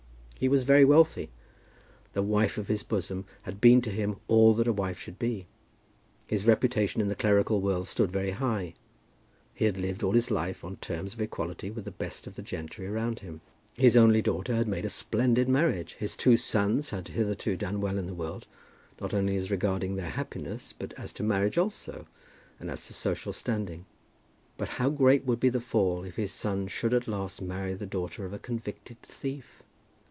He was very wealthy. The wife of his bosom had been to him all that a wife should be. His reputation in the clerical world stood very high. He had lived all his life on terms of equality with the best of the gentry around him. His only daughter had made a splendid marriage. His two sons had hitherto done well in the world, not only as regarded their happiness, but as to marriage also, and as to social standing. But how great would be the fall if his son should at last marry the daughter of a convicted thief!